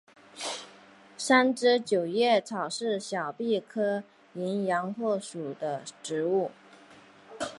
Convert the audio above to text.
三枝九叶草是小檗科淫羊藿属的植物。